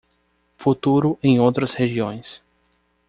Futuro em outras regiões